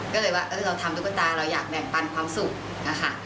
ก็เลยว่าเราทำตุ๊กตาเราอยากแบ่งปันความสุขนะคะ